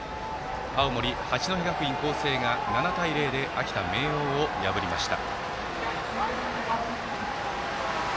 青森・八戸学院光星が７対０で秋田・明桜を破りました。